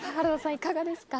いかがですか？